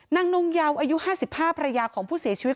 นางนงเยาอายุ๕๕ภรรยาของผู้เสียชีวิต